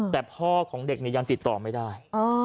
แต่พ่อของเด็กเนี่ยยังติดต่อไม่ได้